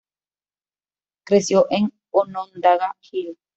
Creció en Onondaga Hill.